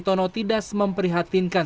tono tidak memperhatinkan